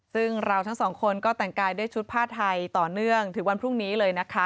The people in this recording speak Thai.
ซึ่งเราทั้งสองคนก็แต่งกายด้วยชุดผ้าไทยต่อเนื่องถึงวันพรุ่งนี้เลยนะคะ